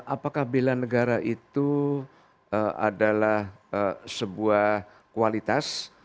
apakah bela negara itu adalah sebuah kualitas